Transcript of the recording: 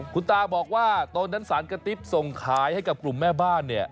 คุณตาบอกว่าตนนั้นสารกระติ๊บส่งขายให้กับกลุ่มแม่บ้านเนี่ย